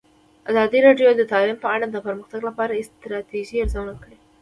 ازادي راډیو د تعلیم په اړه د پرمختګ لپاره د ستراتیژۍ ارزونه کړې.